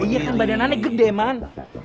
iya kan badannya gede man